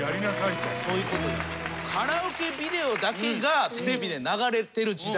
カラオケビデオだけがテレビで流れてる時代。